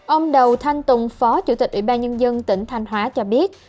ông đầu thanh tùng phó chủ tịch ủy ban nhân dân tỉnh thanh hóa cho biết